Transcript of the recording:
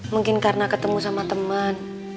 mungkin karena ketemu sama teman